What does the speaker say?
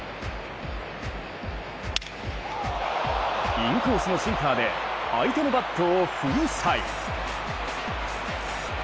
インコースのシンカーで相手のバットを粉砕。